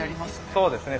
そうですね。